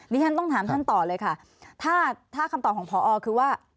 ฉันต้องถามท่านต่อเลยค่ะถ้าคำตอบของพอคือว่า